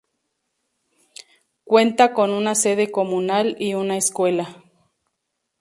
Cuenta con una sede comunal y una escuela.